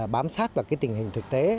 bám sát vào tình hình thực tế